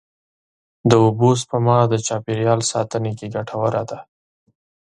د اوبو سپما د چاپېریال ساتنې کې ګټوره ده.